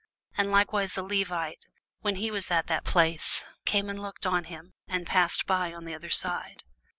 And likewise a Levite, when he was at the place, came and looked on him, and passed by on the other side.